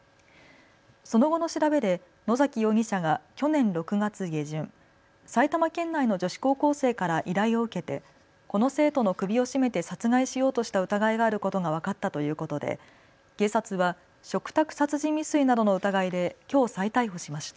その後の調べで野崎容疑者が去年６月下旬、埼玉県内の女子高校生から依頼を受けてこの生徒の首を絞めて殺害しようとした疑いがあることが分かったということで警察は嘱託殺人未遂などの疑いできょう再逮捕しました。